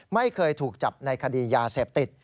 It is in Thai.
ไม่เคยถูกจับในคดียาเสพติด